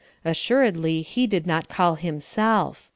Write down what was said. Assuredly he did not call himself.